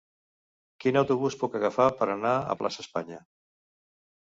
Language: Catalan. Quin autobús puc agafar per anar a Plaça Espanya?